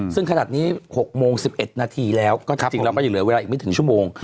ซึ่งขนาดนี้๖โมง๑๑นาทีแล้วก็จริงเราก็ยังเหลือเวลาอีกไม่ถึงชั่วโมง